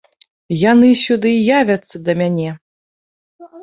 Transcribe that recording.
Яны сюды явяцца да мяне!